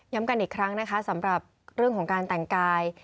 กันอีกครั้งนะคะสำหรับเรื่องของการแต่งกาย